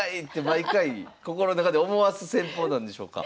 毎回心の中で思わす戦法なんでしょうか。